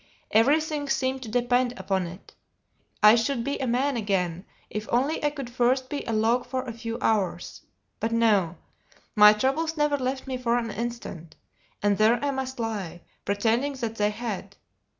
Everything seemed to depend upon it; I should be a man again, if only I could first be a log for a few hours. But no; my troubles never left me for an instant; and there I must lie, pretending that they had!